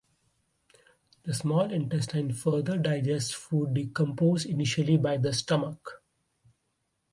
The small intestine further digests food decomposed initially by the stomach.